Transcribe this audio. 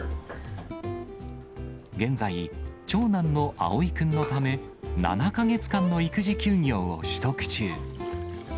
現在、長男の碧くんのため、７か月間の育児休業を取得中。